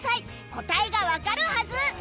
答えがわかるはず！